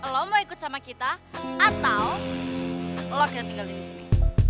lo mau ikut sama kita atau lo kita tinggalin di sini